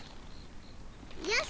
よし！